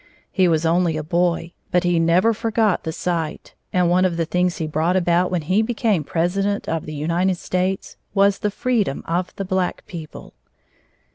He was only a boy, but he never forgot the sight, and one of the things he brought about when he became President of the United States was the freedom of the black people.